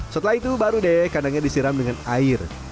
setelah itu baru deh kandangnya disiram dengan air